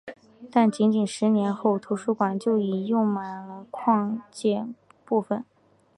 但仅仅十年后图书馆就已用满了扩建部分。